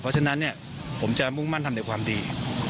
ผมจะมุ่งมั่นทำได้ความดี